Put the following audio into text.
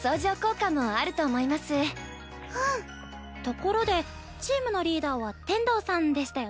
ところでチームのリーダーは天童さんでしたよね。